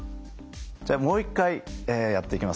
じゃあもう一回やっていきますね。